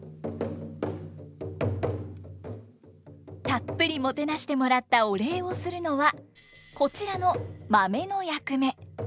たっぷりもてなしてもらったお礼をするのはこちらの「まめ」の役目。